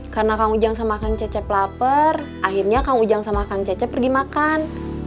karena kang ujang sama kang cecep lapar akhirnya kang ujang sama kang cecep pergi makan